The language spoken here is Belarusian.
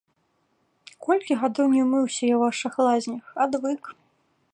Колькі гадоў не мыўся я ў вашых лазнях, адвык.